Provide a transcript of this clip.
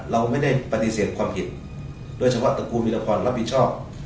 เราไม่ได้ปฏิเสธความผิดโดยเฉพาะตระกูลวิรพรรับผิดชอบ